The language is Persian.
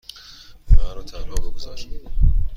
من را تنها بگذار.